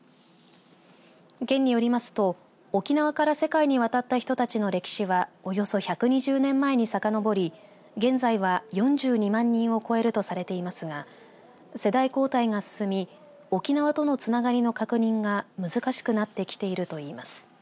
県によりますと沖縄から世界に渡った人たちの歴史はおよそ１２０年前にさかのぼり現在は４２万人を超えるとされていますが世代交代が進み沖縄とのつながりの確認が難しくなってきているといいます。